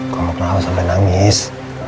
kamu kenapa sampai nangis